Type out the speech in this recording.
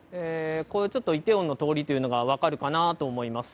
これ、ちょっとイテウォンの通りというのが分かるかなと思います。